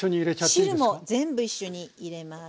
汁も全部一緒に入れます。